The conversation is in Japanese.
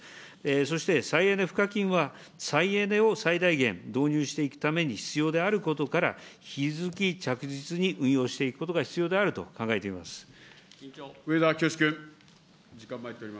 そして、再エネ賦課金は、再エネを最大限導入していくために必要であることから、引き続き着実に運用していくことが必要であると上田清司君。